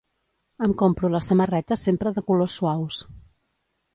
Em compro la samarreta sempre de colors suaus.